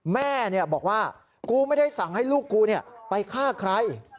แม่บอกว่ากูไม่ได้สั่งให้ลูกกูไปฆ่าใคร